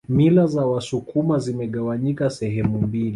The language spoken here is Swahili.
Mila za wasukuma zimegawanyika sehemu mbili